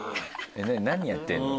何やってんの？